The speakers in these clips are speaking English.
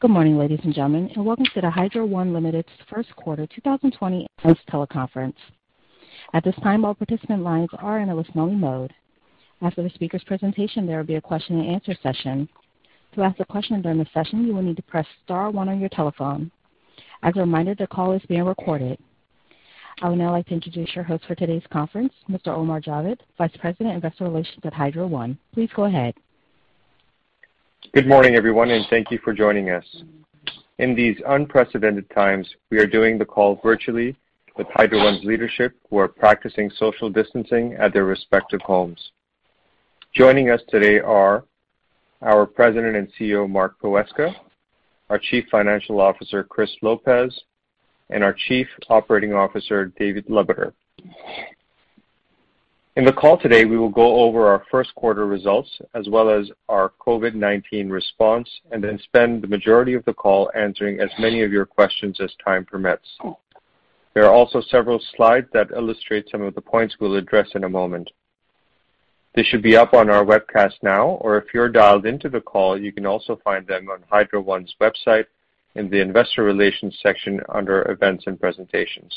Good morning, ladies and gentlemen, and welcome to the Hydro One Limited's First Quarter 2020 Earnings Teleconference. At this time, all participant lines are in a listen-only mode. After the speaker's presentation, there will be a question and answer session. To ask a question during the session, you will need to press star one on your telephone. As a reminder, the call is being recorded. I would now like to introduce your host for today's conference, Mr. Omar Javed, Vice President, Investor Relations at Hydro One. Please go ahead. Good morning, everyone, and thank you for joining us. In these unprecedented times, we are doing the call virtually with Hydro One's leadership, who are practicing social distancing at their respective homes. Joining us today are our President and CEO, Mark Poweska, our Chief Financial Officer, Chris Lopez, and our Chief Operating Officer, David Lebeter. In the call today, we will go over our first quarter results as well as our COVID-19 response and then spend the majority of the call answering as many of your questions as time permits. There are also several slides that illustrate some of the points we will address in a moment. This should be up on our webcast now, or if you are dialed into the call, you can also find them on Hydro One's website in the Investor Relations section under Events and Presentations.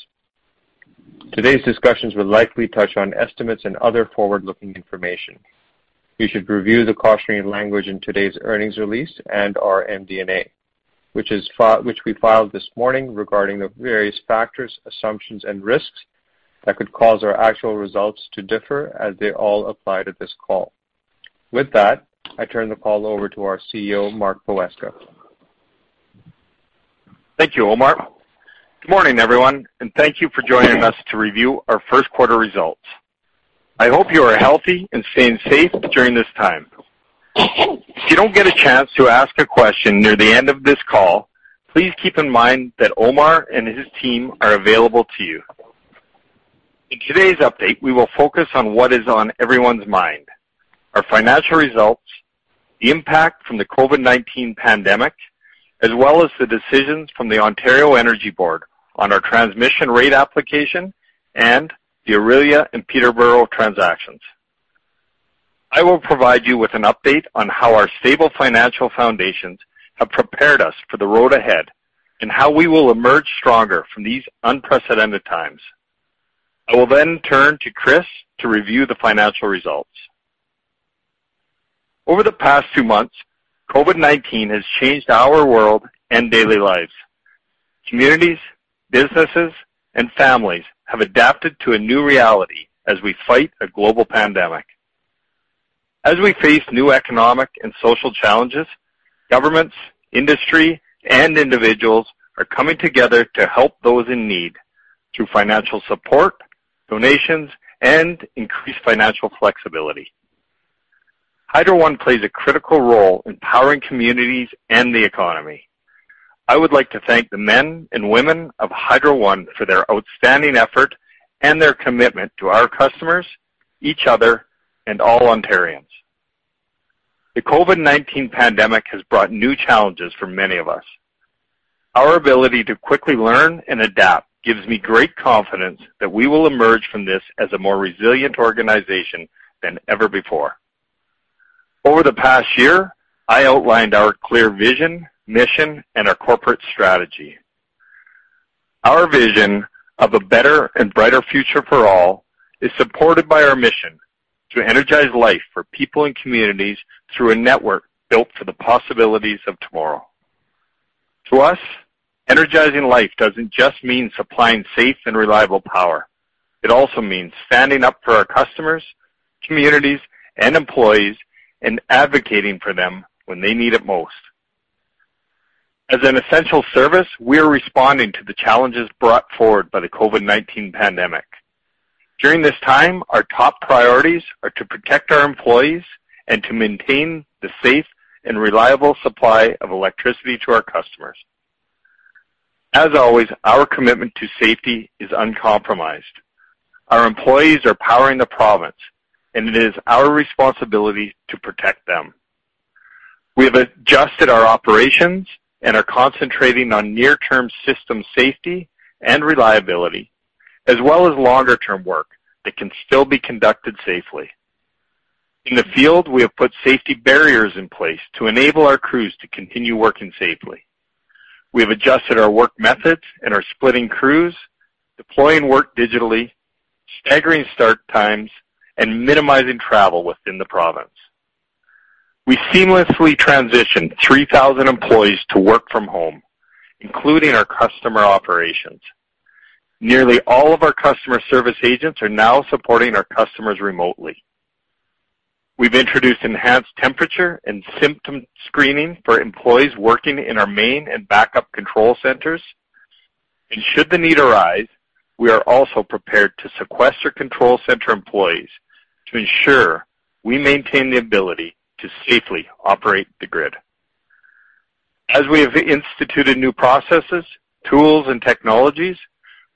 Today's discussions will likely touch on estimates and other forward-looking information. You should review the cautionary language in today's earnings release and our MD&A, which we filed this morning regarding the various factors, assumptions, and risks that could cause our actual results to differ as they all apply to this call. With that, I turn the call over to our CEO, Mark Poweska. Thank you, Omar. Good morning, everyone, thank you for joining us to review our first quarter results. I hope you are healthy and staying safe during this time. If you don't get a chance to ask a question near the end of this call, please keep in mind that Omar and his team are available to you. In today's update, we will focus on what is on everyone's mind, our financial results, the impact from the COVID-19 pandemic, as well as the decisions from the Ontario Energy Board on our transmission rate application and the Orillia and Peterborough transactions. I will provide you with an update on how our stable financial foundations have prepared us for the road ahead and how we will emerge stronger from these unprecedented times. I will then turn to Chris to review the financial results. Over the past two months, COVID-19 has changed our world and daily lives. Communities, businesses, and families have adapted to a new reality as we fight a global pandemic. As we face new economic and social challenges, governments, industry, and individuals are coming together to help those in need through financial support, donations, and increased financial flexibility. Hydro One plays a critical role in powering communities and the economy. I would like to thank the men and women of Hydro One for their outstanding effort and their commitment to our customers, each other, and all Ontarians. The COVID-19 pandemic has brought new challenges for many of us. Our ability to quickly learn and adapt gives me great confidence that we will emerge from this as a more resilient organization than ever before. Over the past year, I outlined our clear vision, mission, and our corporate strategy. Our vision of a better and brighter future for all is supported by our mission to energize life for people and communities through a network built for the possibilities of tomorrow. To us, energizing life doesn't just mean supplying safe and reliable power. It also means standing up for our customers, communities, and employees and advocating for them when they need it most. As an essential service, we are responding to the challenges brought forward by the COVID-19 pandemic. During this time, our top priorities are to protect our employees and to maintain the safe and reliable supply of electricity to our customers. As always, our commitment to safety is uncompromised. Our employees are powering the province, and it is our responsibility to protect them. We have adjusted our operations and are concentrating on near-term system safety and reliability, as well as longer-term work that can still be conducted safely. In the field, we have put safety barriers in place to enable our crews to continue working safely. We have adjusted our work methods and are splitting crews, deploying work digitally, staggering start times, and minimizing travel within the province. We seamlessly transitioned 3,000 employees to work from home, including our customer operations. Nearly all of our customer service agents are now supporting our customers remotely. We've introduced enhanced temperature and symptom screening for employees working in our main and backup control centers. Should the need arise, we are also prepared to sequester control center employees to ensure we maintain the ability to safely operate the grid. As we have instituted new processes, tools, and technologies,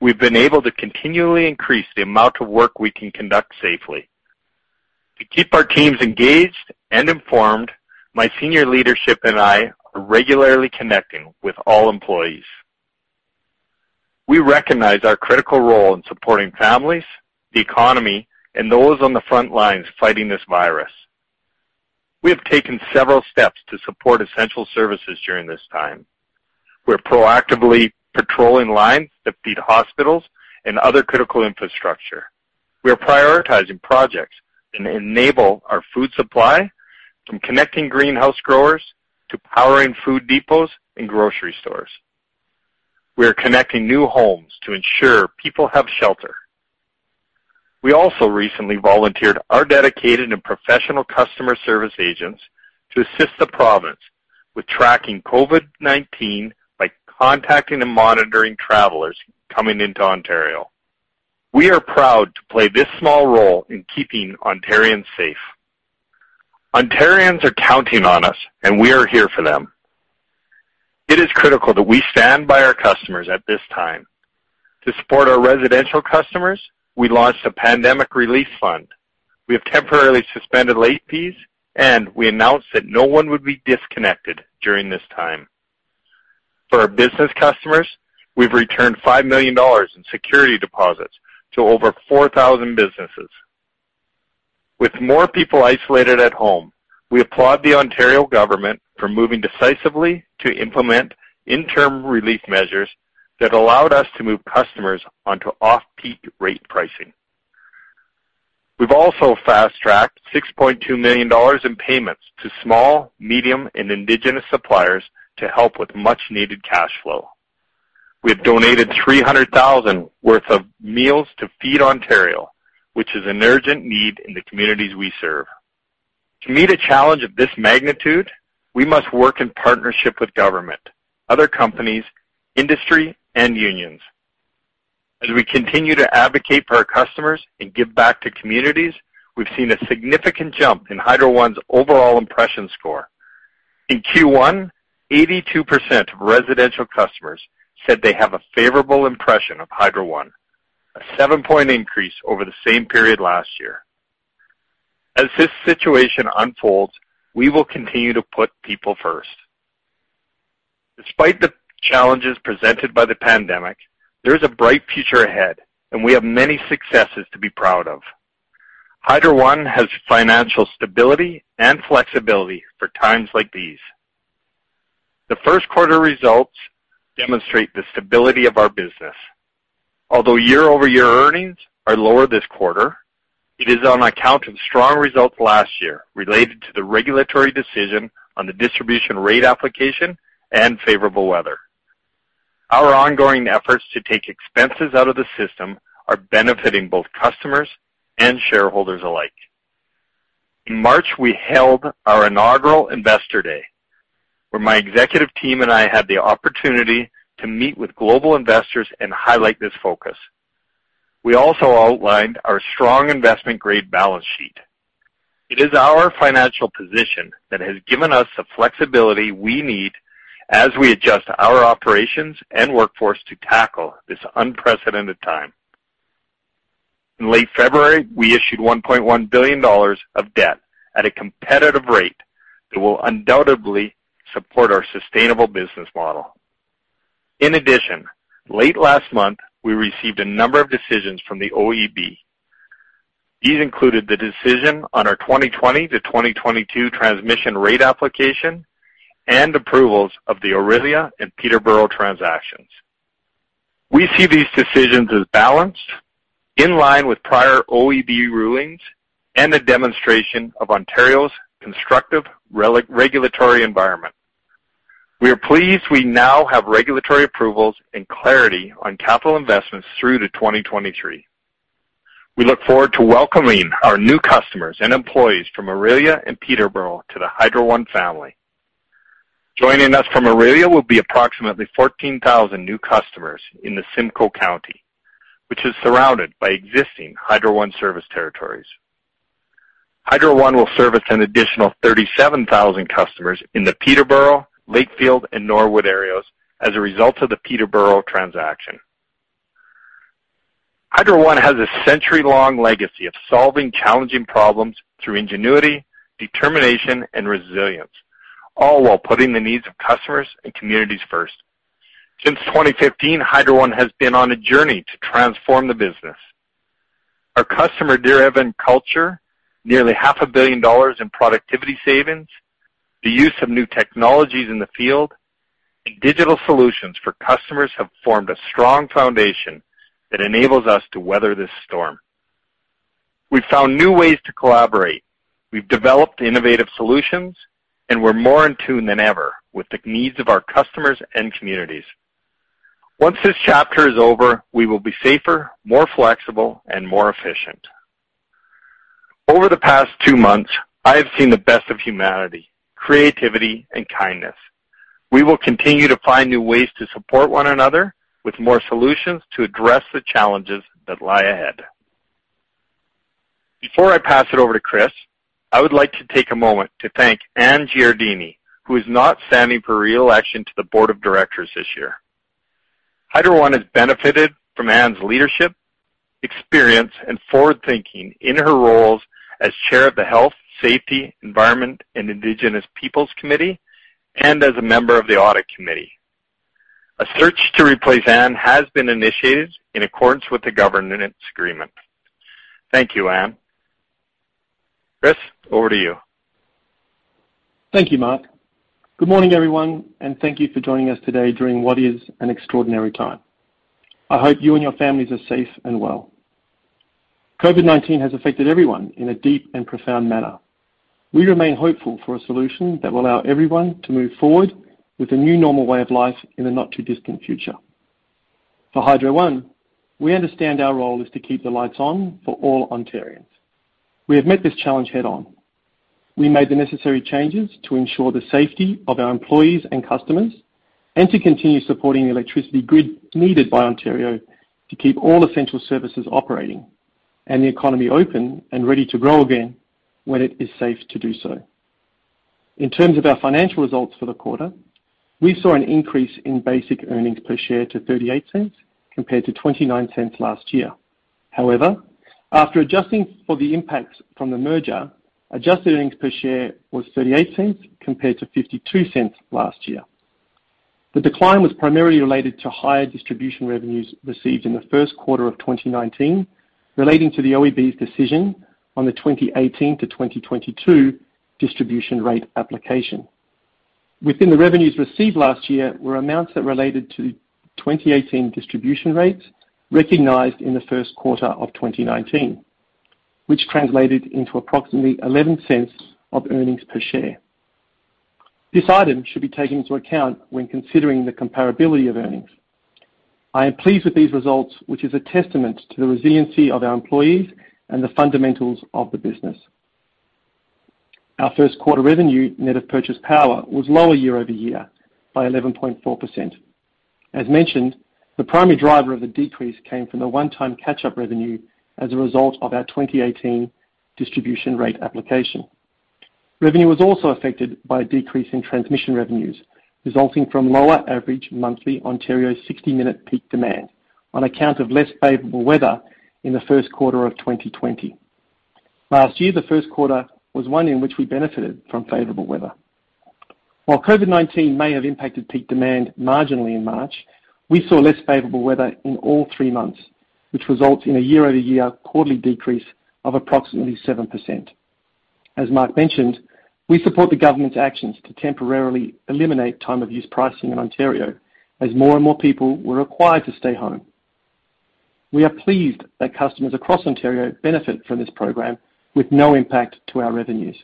we've been able to continually increase the amount of work we can conduct safely. To keep our teams engaged and informed, my senior leadership and I are regularly connecting with all employees. We recognize our critical role in supporting families, the economy, and those on the front lines fighting this virus. We have taken several steps to support essential services during this time. We're proactively patrolling lines that feed hospitals and other critical infrastructure. We are prioritizing projects that enable our food supply, from connecting greenhouse growers to powering food depots and grocery stores. We are connecting new homes to ensure people have shelter. We also recently volunteered our dedicated and professional customer service agents to assist the province with tracking COVID-19 by contacting and monitoring travelers coming into Ontario. We are proud to play this small role in keeping Ontarians safe. Ontarians are counting on us, and we are here for them. It is critical that we stand by our customers at this time. To support our residential customers, we launched a pandemic relief fund. We have temporarily suspended late fees, and we announced that no one would be disconnected during this time. For our business customers, we've returned 5 million dollars in security deposits to over 4,000 businesses. With more people isolated at home, we applaud the Ontario government for moving decisively to implement interim relief measures that allowed us to move customers onto off-peak rate pricing. We've also fast-tracked 6.2 million dollars in payments to small, medium, and Indigenous suppliers to help with much-needed cash flow. We have donated 300,000 worth of meals to Feed Ontario, which is an urgent need in the communities we serve. To meet a challenge of this magnitude, we must work in partnership with government, other companies, industry, and unions. As we continue to advocate for our customers and give back to communities, we've seen a significant jump in Hydro One's overall impression score. In Q1, 82% of residential customers said they have a favorable impression of Hydro One, a seven-point increase over the same period last year. As this situation unfolds, we will continue to put people first. Despite the challenges presented by the pandemic, there is a bright future ahead, and we have many successes to be proud of. Hydro One has financial stability and flexibility for times like these. The first quarter results demonstrate the stability of our business. Although year-over-year earnings are lower this quarter, it is on account of strong results last year related to the regulatory decision on the distribution rate application and favorable weather. Our ongoing efforts to take expenses out of the system are benefiting both customers and shareholders alike. In March, we held our inaugural Investor Day, where my executive team and I had the opportunity to meet with global investors and highlight this focus. We also outlined our strong investment-grade balance sheet. It is our financial position that has given us the flexibility we need as we adjust our operations and workforce to tackle this unprecedented time. In late February, we issued 1.1 billion dollars of debt at a competitive rate that will undoubtedly support our sustainable business model. Late last month, we received a number of decisions from the OEB. These included the decision on our 2020-2022 transmission rate application and approvals of the Orillia and Peterborough transactions. We see these decisions as balanced, in line with prior OEB rulings, and a demonstration of Ontario's constructive regulatory environment. We are pleased we now have regulatory approvals and clarity on capital investments through to 2023. We look forward to welcoming our new customers and employees from Orillia and Peterborough to the Hydro One family. Joining us from Orillia will be approximately 14,000 new customers in the Simcoe County, which is surrounded by existing Hydro One service territories. Hydro One will service an additional 37,000 customers in the Peterborough, Lakefield, and Norwood areas as a result of the Peterborough transaction. Hydro One has a century-long legacy of solving challenging problems through ingenuity, determination, and resilience, all while putting the needs of customers and communities first. Since 2015, Hydro One has been on a journey to transform the business. Our customer-driven culture, nearly 0.5 billion dollars in productivity savings, the use of new technologies in the field, and digital solutions for customers have formed a strong foundation that enables us to weather this storm. We've found new ways to collaborate. We've developed innovative solutions, and we're more in tune than ever with the needs of our customers and communities. Once this chapter is over, we will be safer, more flexible, and more efficient. Over the past two months, I have seen the best of humanity, creativity, and kindness. We will continue to find new ways to support one another with more solutions to address the challenges that lie ahead. Before I pass it over to Chris, I would like to take a moment to thank Anne Giardini, who is not standing for re-election to the Board of Directors this year. Hydro One has benefited from Anne's leadership experience and forward-thinking in her roles as chair of the Health, Safety, Environment and Indigenous Peoples Committee, and as a member of the Audit Committee. A search to replace Anne has been initiated in accordance with the governance agreement. Thank you, Anne. Chris, over to you. Thank you, Mark. Good morning, everyone, and thank you for joining us today during what is an extraordinary time. I hope you and your families are safe and well. COVID-19 has affected everyone in a deep and profound manner. We remain hopeful for a solution that will allow everyone to move forward with a new normal way of life in the not-too-distant future. For Hydro One, we understand our role is to keep the lights on for all Ontarians. We have met this challenge head-on. We made the necessary changes to ensure the safety of our employees and customers, and to continue supporting the electricity grid needed by Ontario to keep all essential services operating and the economy open and ready to grow again when it is safe to do so. In terms of our financial results for the quarter, we saw an increase in basic earnings per share to 0.38, compared to 0.29 last year. After adjusting for the impacts from the merger, adjusted earnings per share was 0.38, compared to 0.52 last year. The decline was primarily related to higher distribution revenues received in the first quarter of 2019, relating to the OEB's decision on the 2018 to 2022 distribution rate application. Within the revenues received last year were amounts that related to 2018 distribution rates recognized in the first quarter of 2019, which translated into approximately 0.11 of earnings per share. This item should be taken into account when considering the comparability of earnings. I am pleased with these results, which is a testament to the resiliency of our employees and the fundamentals of the business. Our first quarter revenue, net of purchased power, was lower year-over-year by 11.4%. As mentioned, the primary driver of the decrease came from the one-time catch-up revenue as a result of our 2018 distribution rate application. Revenue was also affected by a decrease in transmission revenues, resulting from lower average monthly Ontario 60-minute peak demand on account of less favorable weather in the first quarter of 2020. Last year, the first quarter was one in which we benefited from favorable weather. While COVID-19 may have impacted peak demand marginally in March, we saw less favorable weather in all three months, which results in a year-over-year quarterly decrease of approximately 7%. As Mark mentioned, we support the government's actions to temporarily eliminate time-of-use pricing in Ontario as more and more people were required to stay home. We are pleased that customers across Ontario benefit from this program with no impact to our revenues.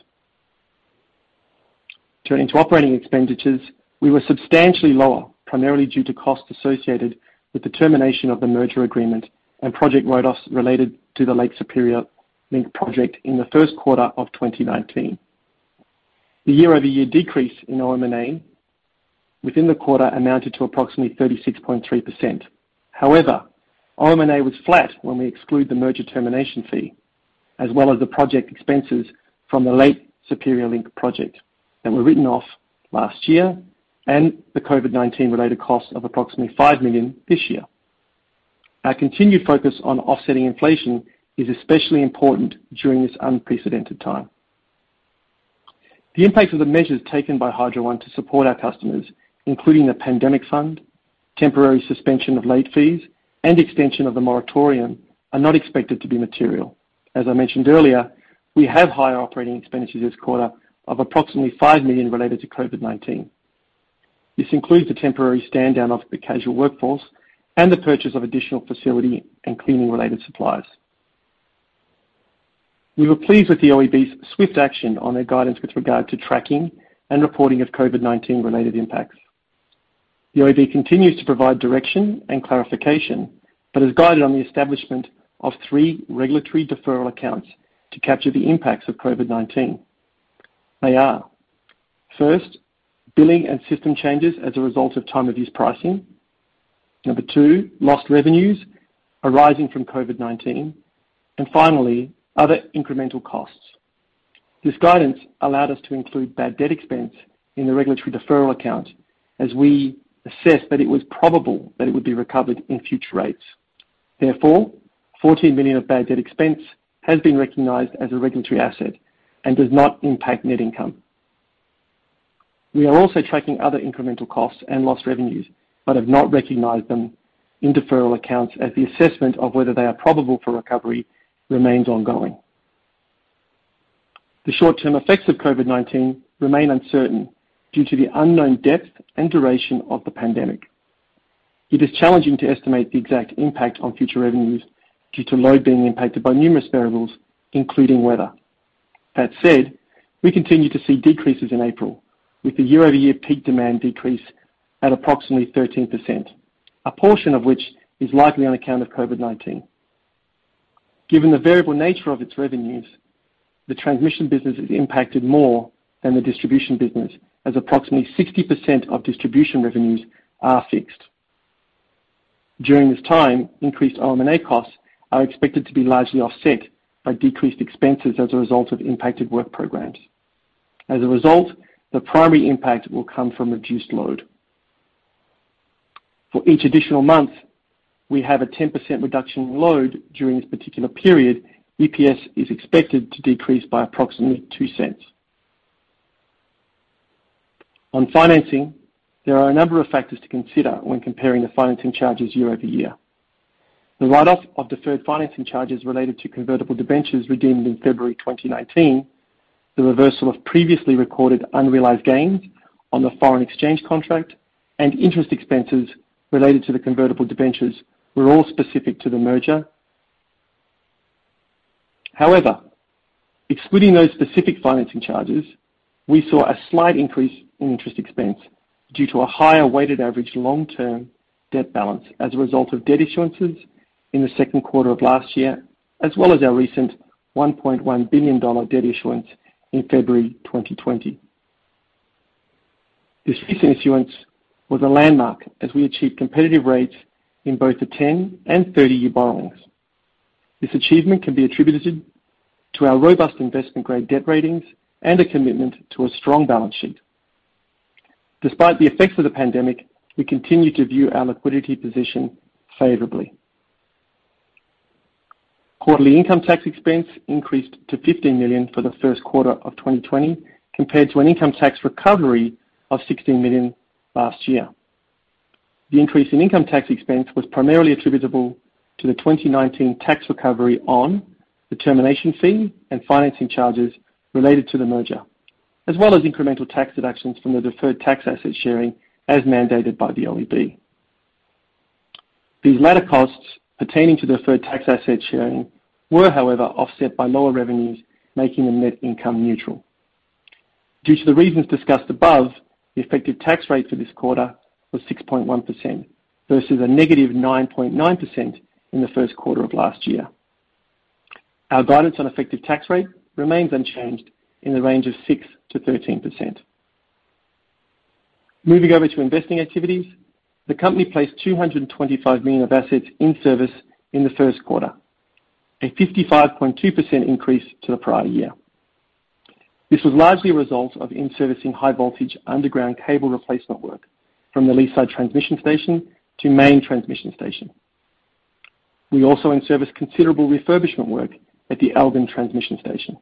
Turning to operating expenditures, we were substantially lower, primarily due to costs associated with the termination of the merger agreement and project write-offs related to the Lake Superior Link project in the first quarter of 2019. The year-over-year decrease in OM&A within the quarter amounted to approximately 36.3%. However, OM&A was flat when we exclude the merger termination fee, as well as the project expenses from the Lake Superior Link project that were written off last year and the COVID-19-related costs of approximately 5 million this year. Our continued focus on offsetting inflation is especially important during this unprecedented time. The impact of the measures taken by Hydro One to support our customers, including the pandemic fund, temporary suspension of late fees, and extension of the moratorium, are not expected to be material. As I mentioned earlier, we have higher operating expenditures this quarter of approximately 5 million related to COVID-19. This includes the temporary stand-down of the casual workforce and the purchase of additional facility and cleaning-related supplies. We were pleased with the OEB's swift action on their guidance with regard to tracking and reporting of COVID-19-related impacts. The OEB continues to provide direction and clarification, has guided on the establishment of three regulatory deferral accounts to capture the impacts of COVID-19. They are- first, billing and system changes as a result of time-of-use pricing. Number two, lost revenues arising from COVID-19. Finally, other incremental costs. This guidance allowed us to include bad debt expense in the regulatory deferral account as we assessed that it was probable that it would be recovered in future rates. Therefore, 14 million of bad debt expense has been recognized as a regulatory asset and does not impact net income. We are also tracking other incremental costs and lost revenues. Have not recognized them in deferral accounts as the assessment of whether they are probable for recovery remains ongoing. The short-term effects of COVID-19 remain uncertain due to the unknown depth and duration of the pandemic. It is challenging to estimate the exact impact on future revenues due to load being impacted by numerous variables, including weather. That said, we continue to see decreases in April, with the year-over-year peak demand decrease at approximately 13%, a portion of which is likely on account of COVID-19. Given the variable nature of its revenues, the transmission business is impacted more than the distribution business, as approximately 60% of distribution revenues are fixed. During this time, increased OM&A costs are expected to be largely offset by decreased expenses as a result of impacted work programs. As a result, the primary impact will come from reduced load. For each additional month, we have a 10% reduction in load during this particular period, EPS is expected to decrease by approximately 0.02. On financing, there are a number of factors to consider when comparing the financing charges year over year. The write-off of deferred financing charges related to convertible debentures redeemed in February 2019, the reversal of previously recorded unrealized gains on the foreign exchange contract, and interest expenses related to the convertible debentures were all specific to the merger. Excluding those specific financing charges, we saw a slight increase in interest expense due to a higher weighted average long-term debt balance as a result of debt issuances in the second quarter of last year, as well as our recent 1.1 billion dollar debt issuance in February 2020. This recent issuance was a landmark, as we achieved competitive rates in both the 10 and 30-year borrowings. This achievement can be attributed to our robust investment-grade debt ratings and a commitment to a strong balance sheet. Despite the effects of the pandemic, we continue to view our liquidity position favorably. Quarterly income tax expense increased to 15 million for the first quarter of 2020 compared to an income tax recovery of 16 million last year. The increase in income tax expense was primarily attributable to the 2019 tax recovery on the termination fee and financing charges related to the merger, as well as incremental tax deductions from the deferred tax asset sharing as mandated by the OEB. These latter costs pertaining to deferred tax asset sharing were, however, offset by lower revenues, making them net income neutral. Due to the reasons discussed above, the effective tax rate for this quarter was 6.1% versus a -9.9% in the first quarter of last year. Our guidance on effective tax rate remains unchanged in the range of 6%-13%. Moving over to investing activities, the company placed 225 million of assets in service in the first quarter, a 55.2% increase to the prior year. This was largely a result of in-servicing high-voltage underground cable replacement work from the Leaside Transmission Station to Main Transmission Station. We also in-serviced considerable refurbishment work at the Elgin Transmission Station.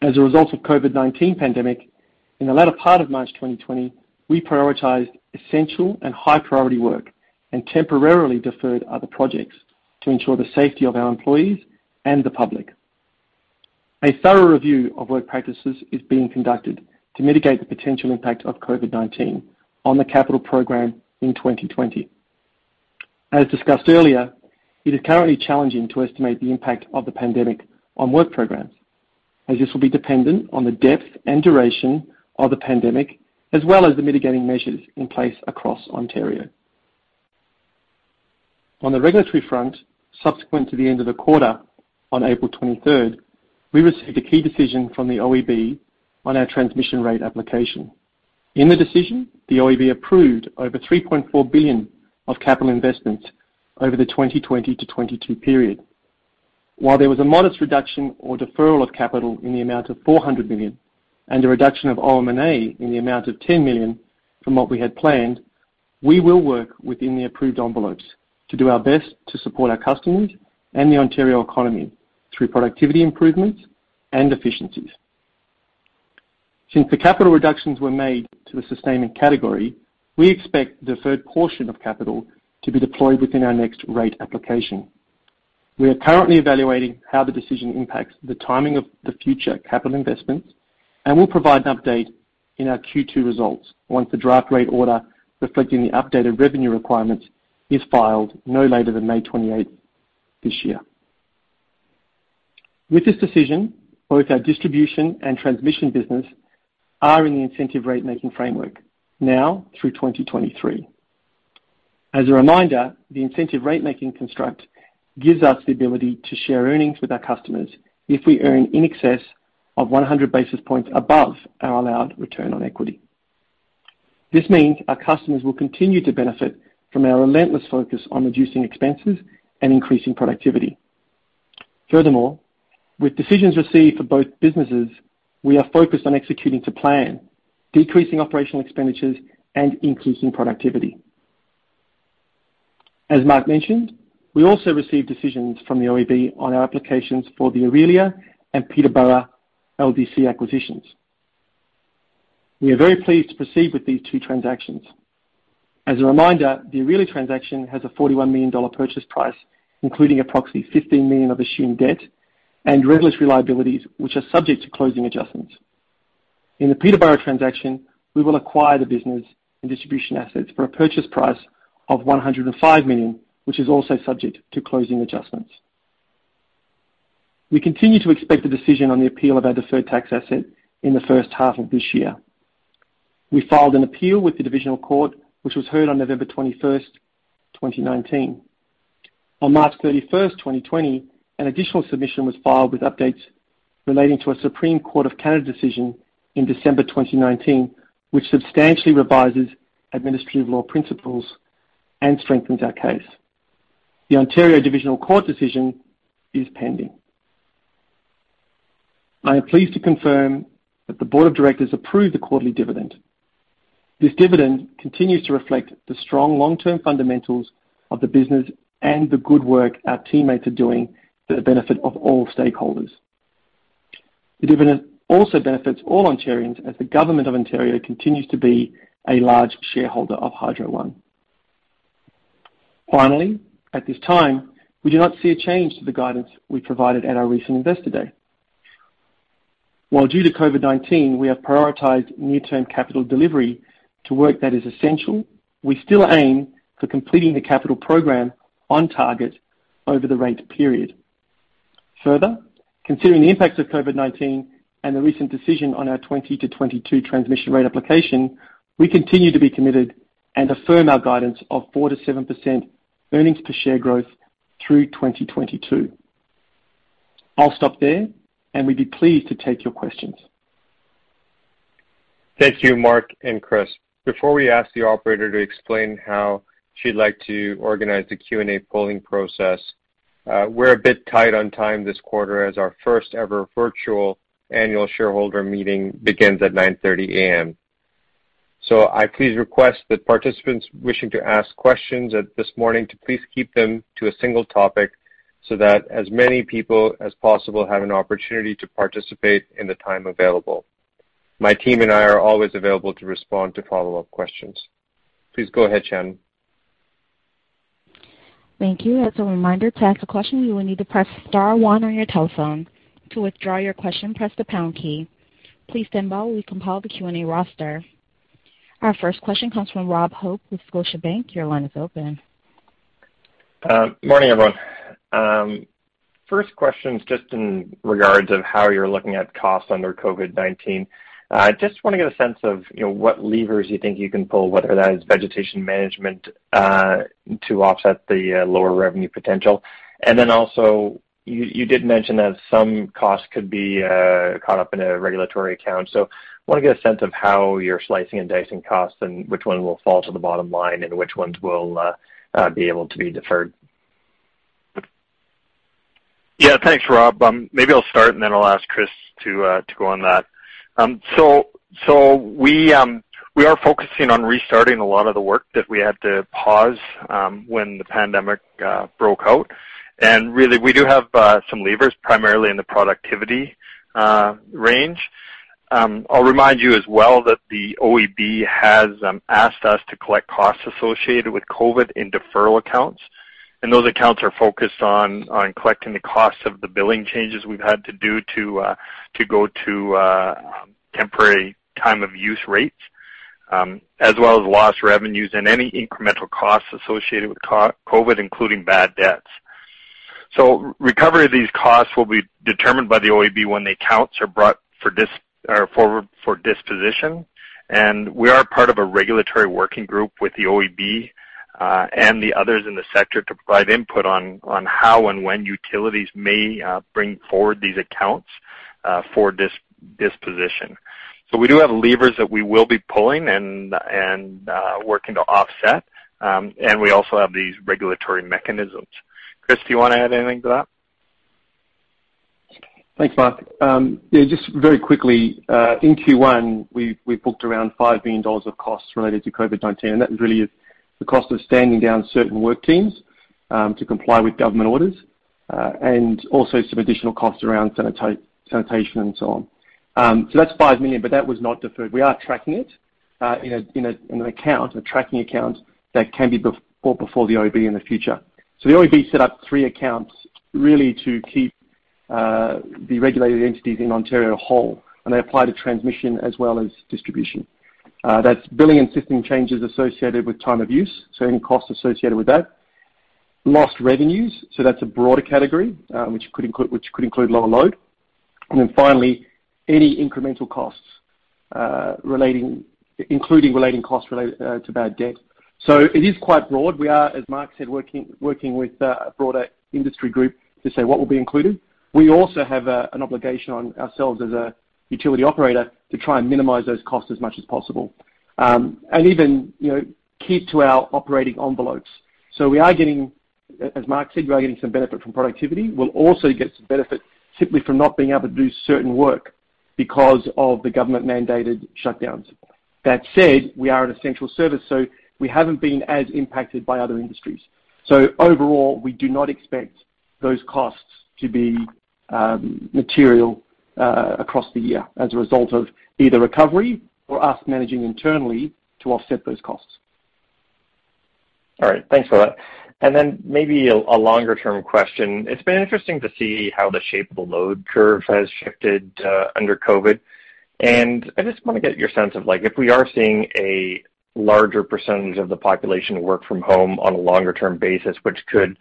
As a result of COVID-19 pandemic, in the latter part of March 2020, we prioritized essential and high-priority work and temporarily deferred other projects to ensure the safety of our employees and the public. A thorough review of work practices is being conducted to mitigate the potential impact of COVID-19 on the capital program in 2020. As discussed earlier, it is currently challenging to estimate the impact of the pandemic on work programs, as this will be dependent on the depth and duration of the pandemic, as well as the mitigating measures in place across Ontario. On the regulatory front, subsequent to the end of the quarter on April 23rd, we received a key decision from the OEB on our transmission rate application. In the decision, the OEB approved over 3.4 billion of capital investments over the 2020-2022 period. While there was a modest reduction or deferral of capital in the amount of 400 million and a reduction of OM&A in the amount of 10 million from what we had planned, we will work within the approved envelopes to do our best to support our customers and the Ontario economy through productivity improvements and efficiencies. The capital reductions were made to the sustaining category, we expect deferred portion of capital to be deployed within our next rate application. We are currently evaluating how the decision impacts the timing of the future capital investments and will provide an update in our Q2 results once the draft rate order reflecting the updated revenue requirements is filed no later than May 28th this year. With this decision, both our distribution and transmission business are in the incentive rate-making framework now through 2023. As a reminder, the incentive rate-making construct gives us the ability to share earnings with our customers if we earn in excess of 100 basis points above our allowed return on equity. This means our customers will continue to benefit from our relentless focus on reducing expenses and increasing productivity. Furthermore, with decisions received for both businesses, we are focused on executing to plan, decreasing operational expenditures, and increasing productivity. As Mark mentioned, we also received decisions from the OEB on our applications for the Orillia and Peterborough LDC acquisitions. We are very pleased to proceed with these two transactions. As a reminder, the Orillia transaction has a 41 million dollar purchase price, including approximately 15 million of assumed debt and regulatory liabilities, which are subject to closing adjustments. In the Peterborough transaction, we will acquire the business and distribution assets for a purchase price of 105 million, which is also subject to closing adjustments. We continue to expect a decision on the appeal of our deferred tax asset in the first half of this year. We filed an appeal with the Divisional Court, which was heard on November 21st, 2019. On March 31st, 2020, an additional submission was filed with updates relating to a Supreme Court of Canada decision in December 2019, which substantially revises administrative law principles and strengthens our case. The Ontario Divisional Court decision is pending. I am pleased to confirm that the Board of Directors approved the quarterly dividend. This dividend continues to reflect the strong long-term fundamentals of the business and the good work our teammates are doing for the benefit of all stakeholders. The dividend also benefits all Ontarians as the government of Ontario continues to be a large shareholder of Hydro One. Finally, at this time, we do not see a change to the guidance we provided at our recent Investor Day. While due to COVID-19, we have prioritized near-term capital delivery to work that is essential, we still aim for completing the capital program on target over the rate period. Considering the impacts of COVID-19 and the recent decision on our 2020-2022 transmission rate application, we continue to be committed and affirm our guidance of 4%-7% earnings per share growth through 2022. I'll stop there, and we'd be pleased to take your questions. Thank you, Mark and Chris. Before we ask the operator to explain how she'd like to organize the Q&A polling process, we're a bit tight on time this quarter as our first-ever virtual Annual Shareholder Meeting begins at 9:30 A.M. I please request that participants wishing to ask questions this morning to please keep them to a single topic so that as many people as possible have an opportunity to participate in the time available. My team and I are always available to respond to follow-up questions. Please go ahead, Shannon. Thank you. As a reminder, to ask a question, you will need to press star one on your telephone. To withdraw your question, press the pound key. Please stand by while we compile the Q&A roster. Our first question comes from Rob Hope with Scotiabank. Your line is open. Morning, everyone. First question is just in regards of how you're looking at costs under COVID-19. I just want to get a sense of what levers you think you can pull, whether that is vegetation management to offset the lower revenue potential. Then also, you did mention that some costs could be caught up in a regulatory account. I want to get a sense of how you're slicing and dicing costs and which one will fall to the bottom line and which ones will be able to be deferred? Thanks, Rob. Maybe I'll start, then I'll ask Chris to go on that. We are focusing on restarting a lot of the work that we had to pause when the pandemic broke out. Really, we do have some levers, primarily in the productivity range. I'll remind you as well that the OEB has asked us to collect costs associated with COVID in deferral accounts, and those accounts are focused on collecting the costs of the billing changes we've had to do to go to temporary time-of-use rates as well as lost revenues and any incremental costs associated with COVID, including bad debts. Recovery of these costs will be determined by the OEB when the accounts are brought forward for disposition. We are part of a regulatory working group with the OEB, and the others in the sector to provide input on how and when utilities may bring forward these accounts for disposition. We do have levers that we will be pulling and working to offset. We also have these regulatory mechanisms. Chris, do you want to add anything to that? Thanks, Mark. Yeah, just very quickly, in Q1, we booked around 5 million dollars of costs related to COVID-19, and that was really the cost of standing down certain work teams to comply with government orders and also some additional costs around sanitation and so on. That's 5 million, but that was not deferred. We are tracking it in a tracking account that can be brought before the OEB in the future. The OEB set up three accounts really to keep the regulated entities in Ontario whole, and they apply to transmission as well as distribution. That's billing and system changes associated with time of use, so any costs associated with that. Lost revenues- so that's a broader category which could include lower load. Finally, any incremental costs including costs related to bad debt. It is quite broad. We are, as Mark said, working with a broader industry group to say what will be included. We also have an obligation on ourselves as a utility operator to try and minimize those costs as much as possible and even keep to our operating envelopes. We are getting, as Mark said, we are getting some benefit from productivity. We'll also get some benefit simply from not being able to do certain work because of the government-mandated shutdowns. That said, we are an essential service, so we haven't been as impacted by other industries. Overall, we do not expect those costs to be material across the year as a result of either recovery or us managing internally to offset those costs. All right. Thanks for that. Then maybe a longer-term question. It's been interesting to see how the shape of the load curve has shifted under COVID. I just want to get your sense of, if we are seeing a larger percentage of the population work from home on a longer-term basis, which could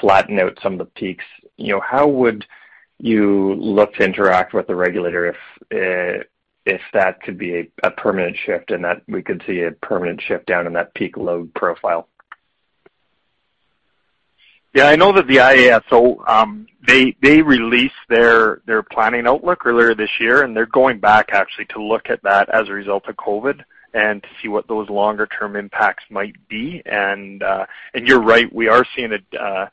flatten out some of the peaks, how would you look to interact with the regulator if that could be a permanent shift and that we could see a permanent shift down in that peak load profile? I know that the IESO, they released their planning outlook earlier this year, they're going back actually to look at that as a result of COVID and to see what those longer-term impacts might be. You're right, we are seeing a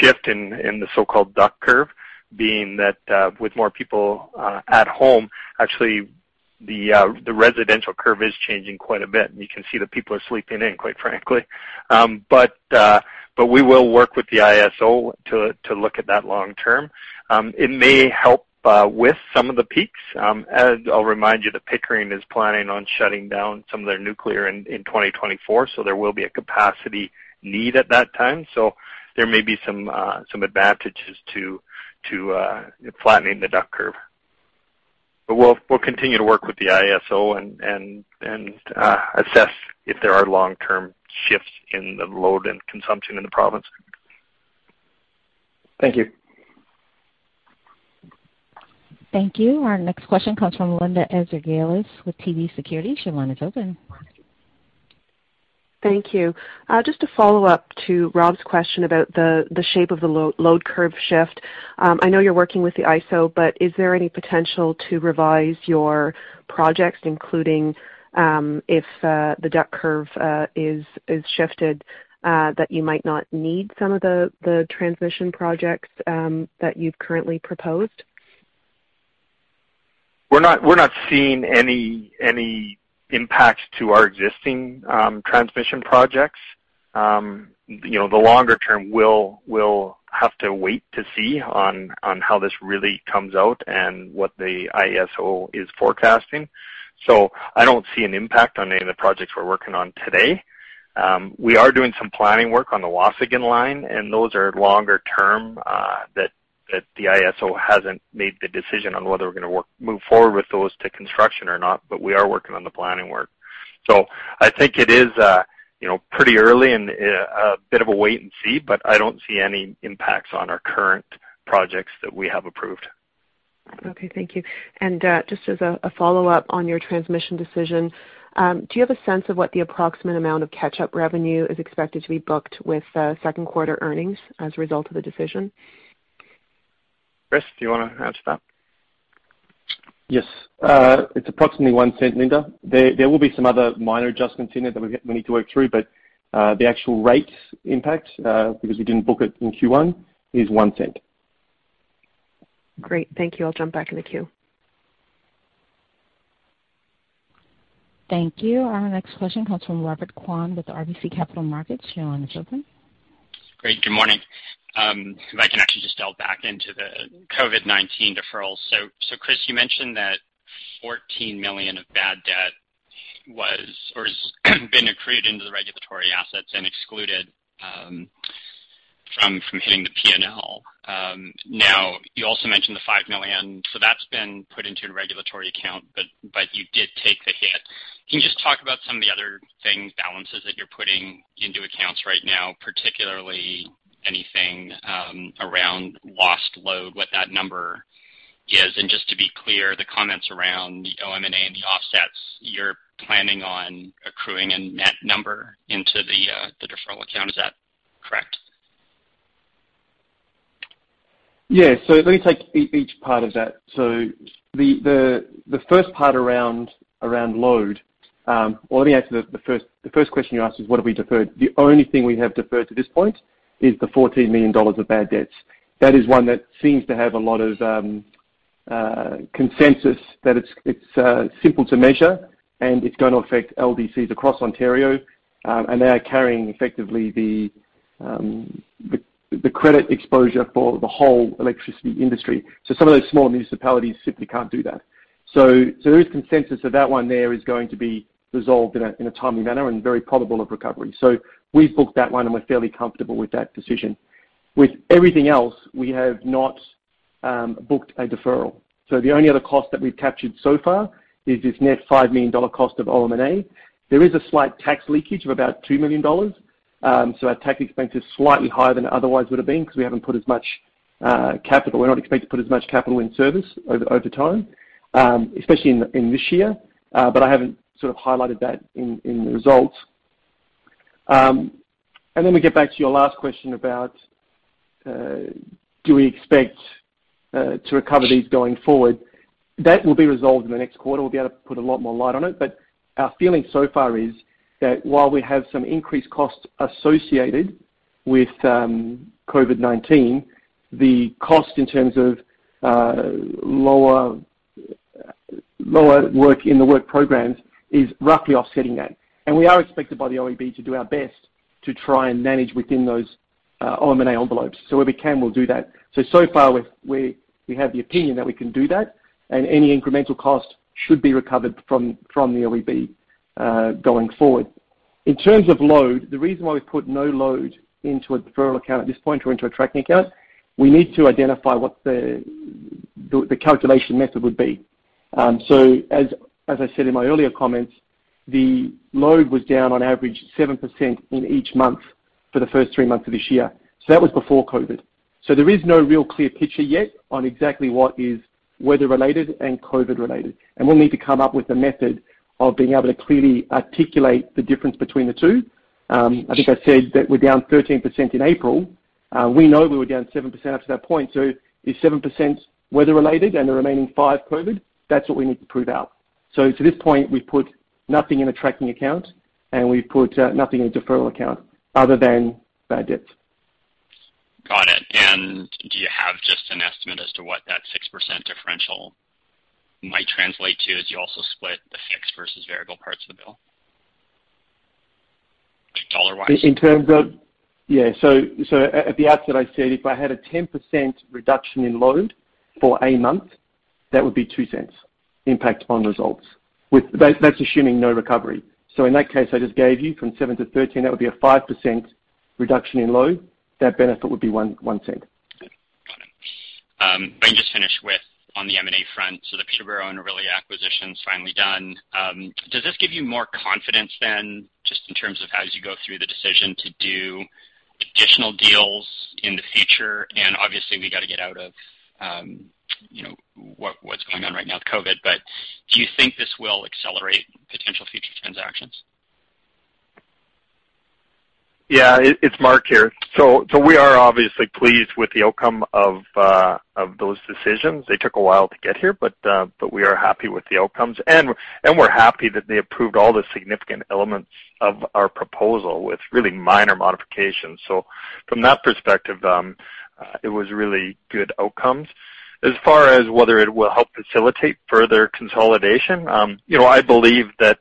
shift in the so-called duck curve, being that with more people at home, actually, the residential curve is changing quite a bit, and you can see that people are sleeping in, quite frankly. We will work with the IESO to look at that long-term. It may help with some of the peaks. I'll remind you that Pickering is planning on shutting down some of their nuclear in 2024, there will be a capacity need at that time. There may be some advantages to flattening the duck curve. We'll continue to work with the IESO and assess if there are long-term shifts in the load and consumption in the province. Thank you. Thank you. Our next question comes from Linda Ezergailis with TD Securities. Your line is open. Thank you. Just to follow up to Rob's question about the shape of the load curve shift, I know you're working with the IESO, but is there any potential to revise your projects, including if the duck curve is shifted that you might not need some of the transmission projects that you've currently proposed? We're not seeing any impacts to our existing transmission projects. The longer-term, we'll have to wait to see on how this really comes out and what the IESO is forecasting. I don't see an impact on any of the projects we're working on today. We are doing some planning work on the Waasigan line, and those are longer-term, that the IESO hasn't made the decision on whether we're going to move forward with those to construction or not, but we are working on the planning work. I think it is pretty early and a bit of a wait-and-see, but I don't see any impacts on our current projects that we have approved. Okay, thank you. Just as a follow-up on your transmission decision, do you have a sense of what the approximate amount of catch-up revenue is expected to be booked with second-quarter earnings as a result of the decision? Chris, do you want to answer that? Yes. It's approximately 0.01, Linda. There will be some other minor adjustments in there that we need to work through, but the actual rate impact, because we didn't book it in Q1, is 0.01. Great. Thank you. I'll jump back in the queue. Thank you. Our next question comes from Robert Kwan with RBC Capital Markets. Your line is open. Great. Good morning. If I can actually just delve back into the COVID-19 deferrals. Chris, you mentioned that 14 million of bad debt has been accrued into the regulatory assets and excluded from hitting the P&L. You also mentioned the 5 million. That's been put into a regulatory account, but you did take the hit. Can you just talk about some of the other things, balances that you're putting into accounts right now, particularly anything around lost load, what that number is? Just to be clear, the comments around the OM&A and the offsets you're planning on accruing a net number into the deferral account. Is that correct? Let me take each part of that. The first part around load, or let me answer the first question you asked is what have we deferred? The only thing we have deferred to this point is the 14 million dollars of bad debts. That is one that seems to have a lot of consensus that it's simple to measure and it's going to affect LDCs across Ontario, and they are carrying effectively the credit exposure for the whole electricity industry. Some of those small municipalities simply can't do that. There is consensus that one there is going to be resolved in a timely manner and very probable of recovery. We've booked that one, and we're fairly comfortable with that decision. With everything else, we have not booked a deferral. The only other cost that we've captured so far is this net 5 million dollar cost of OM&A. There is a slight tax leakage of about 2 million dollars. Our tax expense is slightly higher than it otherwise would have been because we haven't put as much capital. We're not expected to put as much capital in service over time, especially in this year. I haven't sort of highlighted that in the results. We get back to your last question about do we expect to recover these going forward. That will be resolved in the next quarter. We'll be able to put a lot more light on it. Our feeling so far is that while we have some increased costs associated with COVID-19, the cost in terms of lower work in the work programs is roughly offsetting that. We are expected by the OEB to do our best to try and manage within those OM&A envelopes. Where we can, we'll do that. So far, we have the opinion that we can do that, and any incremental cost should be recovered from the OEB, going forward. In terms of load, the reason why we've put no load into a deferral account at this point or into a tracking account, we need to identify what the calculation method would be. As I said in my earlier comments, the load was down on average 7% in each month for the first three months of this year. That was before COVID. There is no real clear picture yet on exactly what is weather-related and COVID-related, and we'll need to come up with a method of being able to clearly articulate the difference between the two. I think I said that we're down 13% in April. We know we were down 7% up to that point. Is 7% weather-related and the remaining five COVID? That's what we need to prove out. To this point, we've put nothing in a tracking account, and we've put nothing in a deferral account other than bad debts. Got it. Do you have just an estimate as to what that 6% differential might translate to as you also split the fixed versus variable parts of the bill? Like dollar-wise? In terms of- yeah so, at the outset, I said if I had a 10% reduction in load for a month, that would be 0.02 impact on results. That's assuming no recovery. In that case I just gave you from 7 to 13, that would be a 5% reduction in load. That benefit would be 0.01. Good. Got it. Let me just finish with on the M&A front, the Peterborough and Orillia acquisition's finally done. Does this give you more confidence then, just in terms of as you go through the decision to do additional deals in the future, obviously we got to get out of what's going on right now with COVID, do you think this will accelerate potential future transactions? Yeah. It's Mark here. We are obviously pleased with the outcome of those decisions. They took a while to get here, but we are happy with the outcomes, and we're happy that they approved all the significant elements of our proposal with really minor modifications. From that perspective, it was really good outcomes. As far as whether it will help facilitate further consolidation, I believe that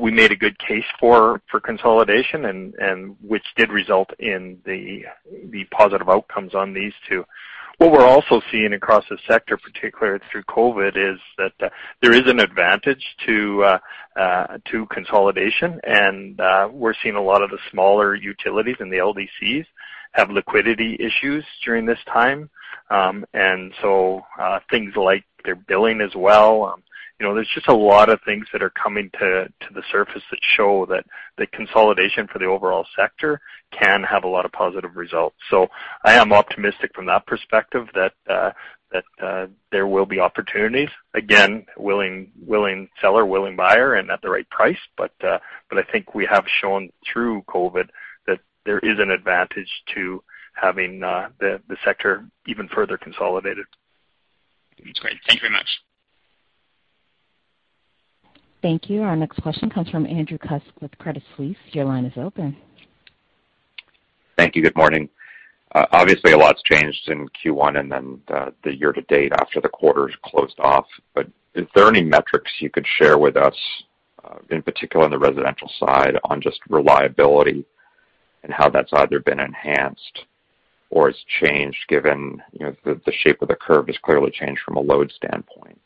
we made a good case for consolidation, and which did result in the positive outcomes on these two. What we're also seeing across the sector, particularly through COVID, is that there is an advantage to consolidation and we're seeing a lot of the smaller utilities in the LDCs have liquidity issues during this time, things like their billing as well. There's just a lot of things that are coming to the surface that show that consolidation for the overall sector can have a lot of positive results. I am optimistic from that perspective that there will be opportunities. Again, willing seller, willing buyer, and at the right price. I think we have shown through COVID that there is an advantage to having the sector even further consolidated. That's great. Thank you very much. Thank you. Our next question comes from Andrew Kuske with Credit Suisse. Your line is open. Thank you. Good morning. Obviously, a lot's changed in Q1 and then the year to date after the quarter's closed off. Is there any metrics you could share with us, in particular on the residential side, on just reliability and how that's either been enhanced or has changed given the shape of the curve has clearly changed from a load standpoint?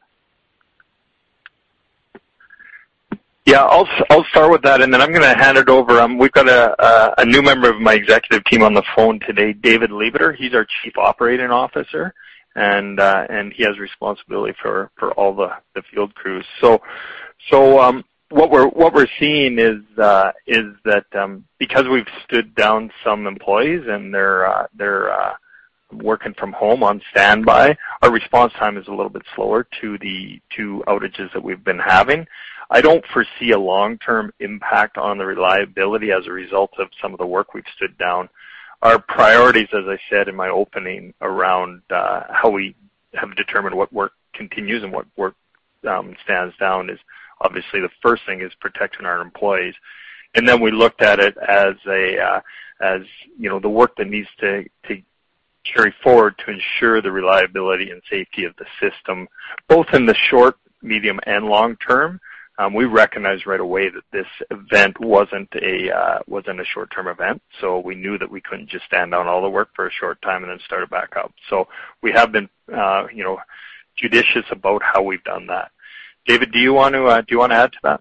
Yeah, I'll start with that and then I'm going to hand it over- we've got a new member of my executive team on the phone today, David Lebeter. He's our Chief Operating Officer, and he has responsibility for all the field crews. What we're seeing is that because we've stood down some employees and they're working from home on standby, our response time is a little bit slower to outages that we've been having. I don't foresee a long-term impact on the reliability as a result of some of the work we've stood down. Our priorities, as I said in my opening around how we have determined what work continues and what work stands down is obviously the first thing is protecting our employees. Then we looked at it as the work that needs to carry forward to ensure the reliability and safety of the system, both in the short, medium, and long term. We recognized right away that this event wasn't a short-term event. We knew that we couldn't just stand down all the work for a short time and then start it back up. We have been judicious about how we've done that. David, do you want to add to that?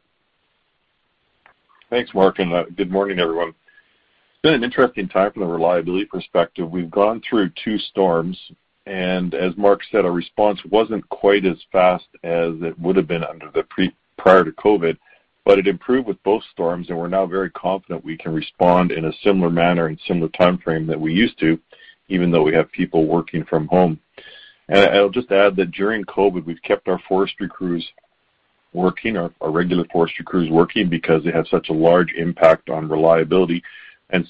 Thanks, Mark. Good morning, everyone. It's been an interesting time from the reliability perspective. We've gone through two storms, and as Mark said, our response wasn't quite as fast as it would've been prior to COVID, but it improved with both storms and we're now very confident we can respond in a similar manner and similar timeframe that we used to, even though we have people working from home. I'll just add that during COVID, we've kept our regular forestry crews working because they have such a large impact on reliability.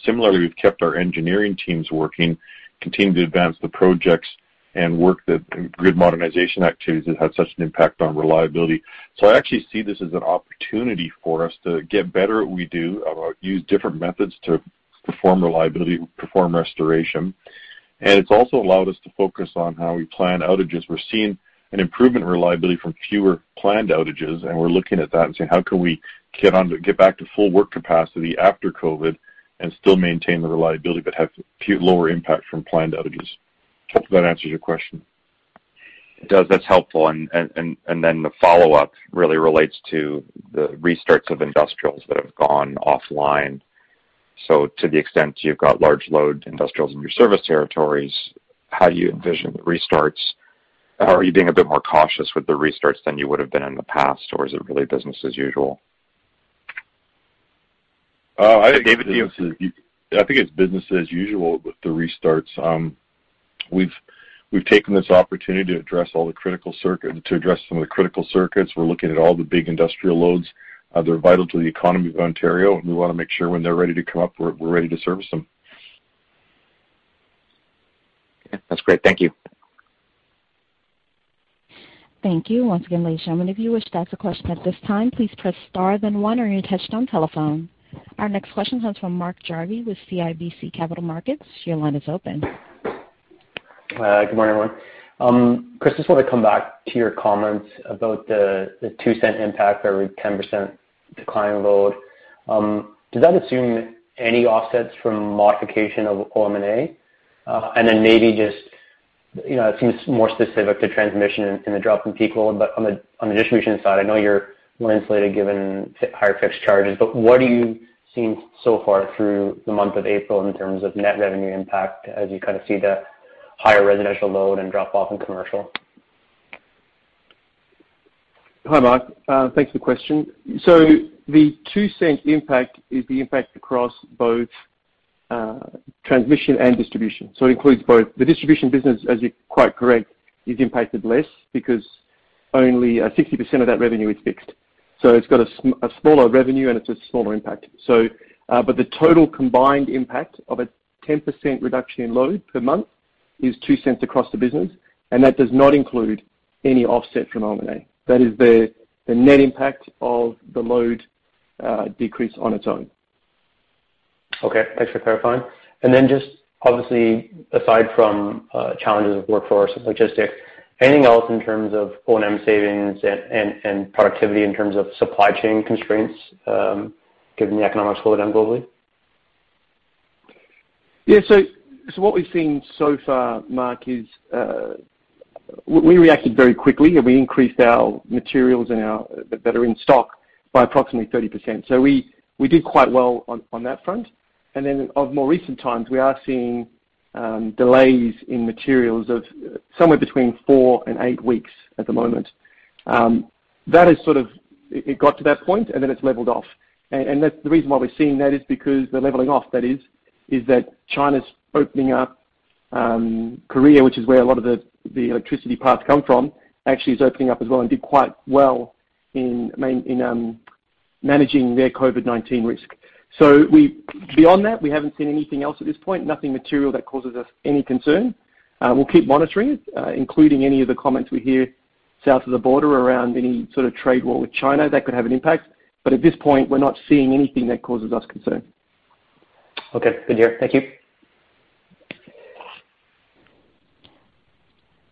Similarly, we've kept our engineering teams working, continuing to advance the projects and work the grid modernization activities that had such an impact on reliability. I actually see this as an opportunity for us to get better at what we do, use different methods to perform reliability, perform restoration, and it's also allowed us to focus on how we plan outages. We're seeing an improvement in reliability from fewer planned outages. We're looking at that and saying, "How can we get back to full work capacity after COVID and still maintain the reliability but have lower impact from planned outages?" Hopefully, that answers your question. It does. That's helpful. The follow-up really relates to the restarts of industrials that have gone offline. To the extent you've got large load industrials in your service territories, how do you envision the restarts? Are you being a bit more cautious with the restarts than you would've been in the past, or is it really business as usual? I think it's business as usual with the restarts. We've taken this opportunity to address some of the critical circuits. We're looking at all the big industrial loads. They're vital to the economy of Ontario, and we want to make sure when they're ready to come up, we're ready to service them. Okay. That's great. Thank you. Thank you. Once again, ladies and gentlemen, if you wish to ask a question at this time, please press star then one on your touch-tone telephone. Our next question comes from Mark Jarvi with CIBC Capital Markets. Your line is open. Hi, good morning, everyone. Chris, just want to come back to your comments about the 0.02 impact for every 10% decline in load? Does that assume any offsets from modification of OM&A? Then maybe just, it seems more specific to transmission in the drop in peak load, but on the distribution side, I know you're more insulated given higher fixed charges, but what are you seeing so far through the month of April in terms of net revenue impact as you kind of see the higher residential load and drop-off in commercial? Hi, Mark. Thanks for the question. The 0.02 impact is the impact across both transmission and distribution. It includes both. The distribution business, as you're quite correct, is impacted less because only 60% of that revenue is fixed. It's got a smaller revenue, and it's a smaller impact. The total combined impact of a 10% reduction in load per month is 0.02 across the business, and that does not include any offset from OM&A. That is the net impact of the load decrease on its own. Okay, thanks for clarifying. Just obviously aside from challenges with workforce and logistics, anything else in terms of O&M savings and productivity in terms of supply chain constraints, given the economic slowdown globally? What we've seen so far, Mark, is we reacted very quickly, and we increased our materials that are in stock by approximately 30%. We did quite well on that front. Of more recent times, we are seeing delays in materials of somewhere between four and eight weeks at the moment. It got to that point, and then it's leveled off. The reason why we're seeing that is because, the leveling off that is that China's opening up Korea, which is where a lot of the electricity parts come from, actually is opening up as well and did quite well in managing their COVID-19 risk. Beyond that, we haven't seen anything else at this point, nothing material that causes us any concern. We'll keep monitoring it, including any of the comments we hear south of the border around any sort of trade war with China that could have an impact. At this point, we're not seeing anything that causes us concern. Okay, good to hear. Thank you.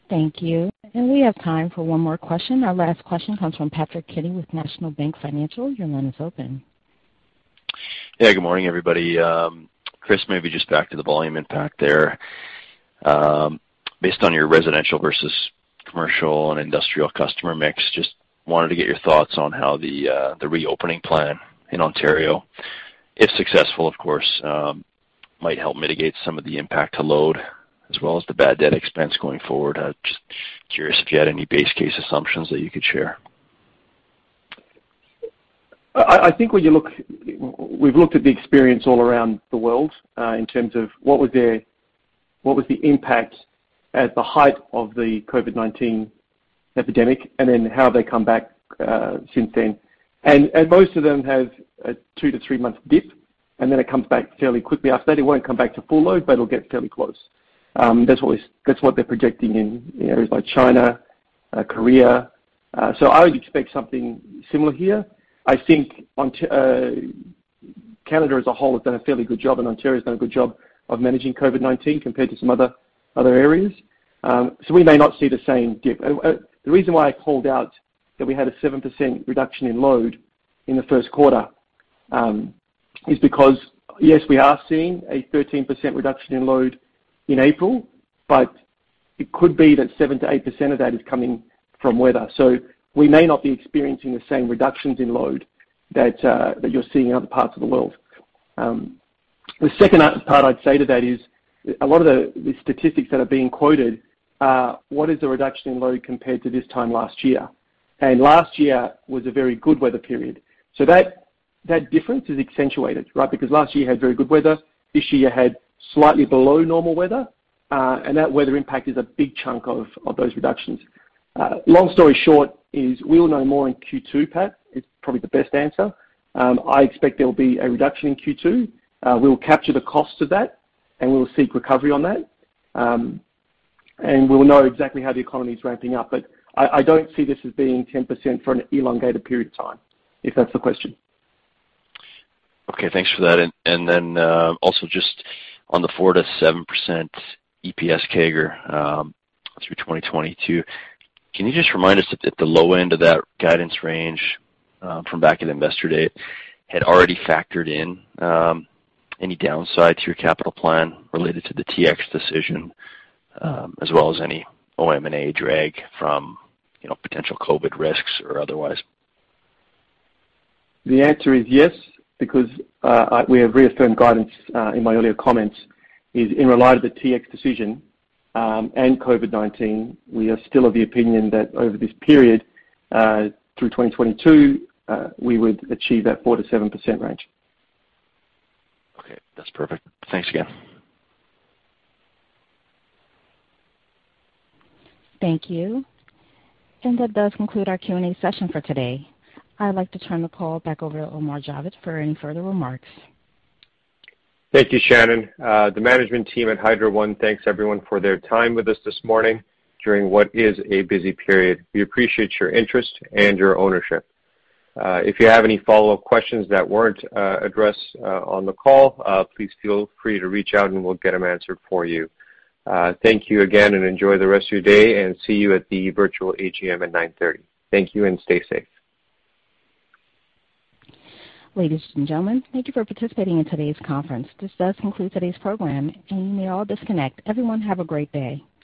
Thank you. We have time for one more question. Our last question comes from Patrick Kenny with National Bank Financial. Your line is open. Good morning, everybody. Chris, maybe just back to the volume impact there. Based on your residential versus commercial and industrial customer mix, just wanted to get your thoughts on how the reopening plan in Ontario, if successful of course, might help mitigate some of the impact to load as well as the bad debt expense going forward. Just curious if you had any base case assumptions that you could share? I think we've looked at the experience all around the world in terms of what was the impact at the height of the COVID-19 epidemic and then how they come back since then. Most of them have a two to three-month dip, and then it comes back fairly quickly after that. It won't come back to full load, but it'll get fairly close. That's what they're projecting in areas like China, Korea. I would expect something similar here. I think Canada as a whole has done a fairly good job, and Ontario has done a good job of managing COVID-19 compared to some other areas. We may not see the same dip. The reason why I called out that we had a 7% reduction in load in the first quarter, is because, yes, we are seeing a 13% reduction in load in April, but it could be that 7%-8% of that is coming from weather. We may not be experiencing the same reductions in load that you're seeing in other parts of the world. The second part I'd say to that is a lot of the statistics that are being quoted are what is the reduction in load compared to this time last year? Last year was a very good weather period. That difference is accentuated, right? Because, last year had very good weather, this year had slightly below normal weather, and that weather impact is a big chunk of those reductions. Long story short, is we'll know more in Q2, Pat. It's probably the best answer. I expect there will be a reduction in Q2. We'll capture the cost of that, and we'll seek recovery on that. We'll know exactly how the economy is ramping up. I don't see this as being 10% for an elongated period of time, if that's the question. Okay, thanks for that. Also just on the 4%-7% EPS CAGR through 2022, can you just remind us if the low end of that guidance range from back at Investor Day had already factored in any downside to your capital plan related to the Tx decision as well as any OM&A drag from potential COVID risks or otherwise? The answer is yes because we have reaffirmed guidance in my earlier comments, is in light of the Tx decision, and COVID-19, we are still of the opinion that over this period, through 2022, we would achieve that 4%-7% range. Okay, that's perfect. Thanks again. Thank you. That does conclude our Q&A session for today. I'd like to turn the call back over to Omar Javed for any further remarks. Thank you, Shannon. The management team at Hydro One thanks everyone for their time with us this morning during what is a busy period. We appreciate your interest and your ownership. If you have any follow-up questions that weren't addressed on the call, please feel free to reach out, and we'll get them answered for you. Thank you again, and enjoy the rest of your day, and see you at the virtual AGM at 9:30 A.M. Thank you, and stay safe. Ladies and gentlemen, thank you for participating in today's conference. This does conclude today's program, and you may all disconnect. Everyone have a great day.